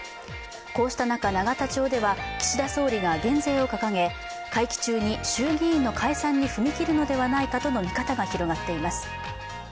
こうした中、永田町では岸田総理が減税を掲げ、会期中に衆議院の解散に踏み切るのではないかとの見方が広がっています。